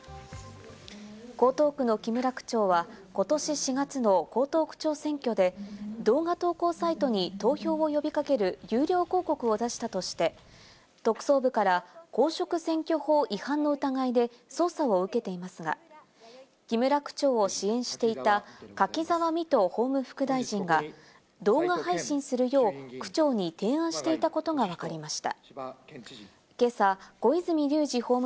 江東区の木村区長はことし４月の江東区長選挙で動画投稿サイトに投票を呼びかける有料広告を出したとして、特捜部から公職選挙法違反の疑いで捜査を受けていますが、木村区長を支援していた柿沢未途法務副大臣が動画配信するよう区長に提案していたことがわかりました。